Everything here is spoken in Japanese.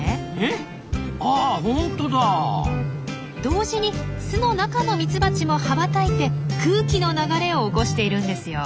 同時に巣の中のミツバチも羽ばたいて空気の流れを起こしているんですよ。